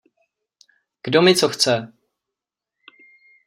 Kdo mi co chce?